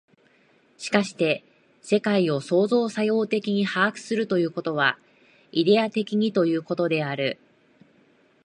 しかして世界を創造作用的に把握するということは、イデヤ的にということである。